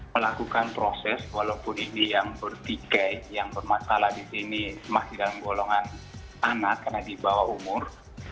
melakukan proses walaupun ini yang bertikai yang bermasalah di sini masih dalam golongan anak karena di bawah umur